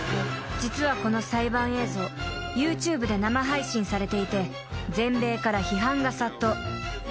［実はこの裁判映像ＹｏｕＴｕｂｅで生配信されていて全米から批判が殺到］